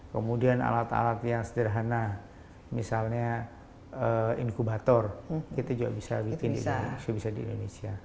kemudian alat alat yang sederhana misalnya inkubator itu juga bisa dibikin di indonesia